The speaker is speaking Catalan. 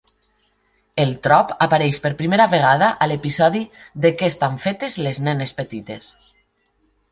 El trop apareix per primera vegada a l'episodi "De què estan fetes les nenes petites?"